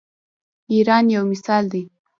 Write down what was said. ایران یو مثال دی.